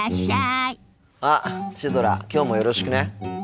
あっシュドラきょうもよろしくね。